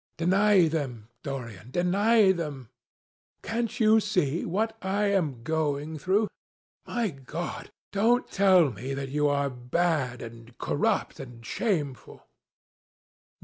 Deny them, Dorian, deny them! Can't you see what I am going through? My God! don't tell me that you are bad, and corrupt, and shameful."